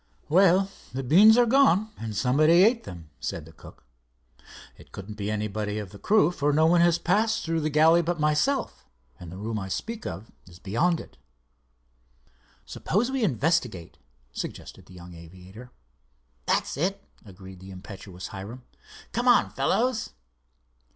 "Well, the beans are gone and somebody ate them," said the cook. "It couldn't be anybody of the crew, for no one has passed through the galley but myself, and the room I speak of is beyond it." "Suppose we investigate?" suggested the young aviator. "That's it," agreed the impetuous Hiram. "Come on, fellows."